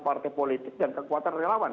partai politik dan kekuatan relawan